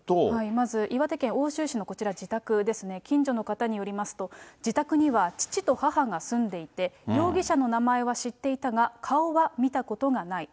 まず岩手県奥州市のこちら、自宅ですね、近所の方によりますと、自宅には父と母が住んでいて、容疑者の名前は知っていたが、顔は見たことがない。